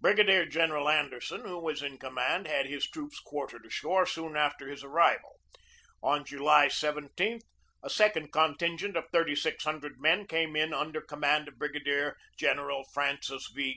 Brigadier General Anderson, who was in com mand, had his troops quartered ashore soon after his arrival. On July 17 a second contingent of thirty six hundred men came in under command of Brigadier General Francis V.